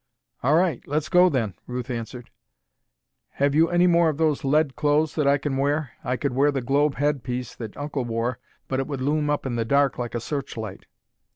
"All right, let's go then," Ruth answered. "Have you any more of those lead clothes that I can wear? I could wear the globe head piece that Uncle wore, but it would loom up in the dark like a searchlight."